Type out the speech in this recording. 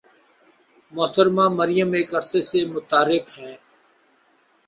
محترمہ مریم ایک عرصہ سے متحرک ہیں۔